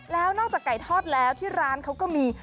แล้วนอกจากไก่ทอดแล้วที่ร้านเขาก็มี